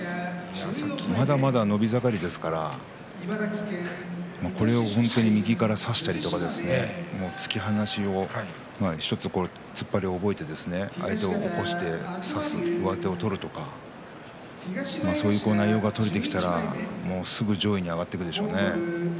まだまだ伸び盛りですから右から差したりとか突き放しを１つ突っ張りを覚えたりして相手を起こして差す上手を取るとかそういう内容が取れてきたらすぐに上位に上がっていくでしょうね。